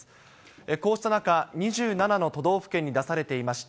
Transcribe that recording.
こうした中、２７の都道府県に出されていました